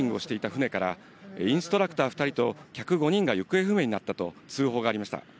船から、インストラクター２人と客５人が行方不明になったと、通報がありました。